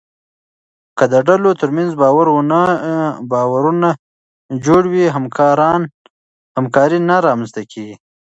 که د ډلو ترمنځ باور ونه جوړوې، همکاري نه رامنځته کېږي.